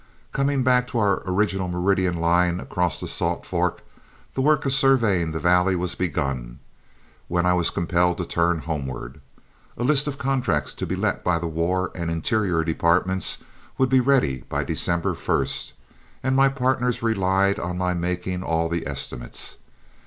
Coming back to our original meridian line across to the Salt Fork, the work of surveying that valley was begun, when I was compelled to turn homeward. A list of contracts to be let by the War and Interior departments would be ready by December 1, and my partners relied on my making all the estimates.